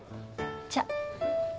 じゃあ！